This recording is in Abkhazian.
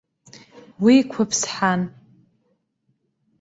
Уи қәыԥсҳан.